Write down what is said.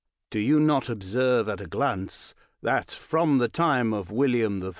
Do you not observe at a glance, that, from the time of William III.